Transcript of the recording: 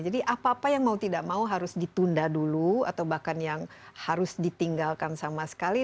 jadi apa apa yang mau tidak mau harus ditunda dulu atau bahkan yang harus ditinggalkan sama sekali